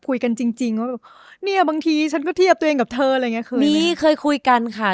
คุยกันจริงบางทีฉันก็เทียบตัวเองกับเธอมีเคยคุยกันค่ะ